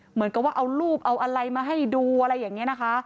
เหมือนกับว่าเอารูปเอาอะไรมาให้ดูอะไรอย่างนี้นะคะ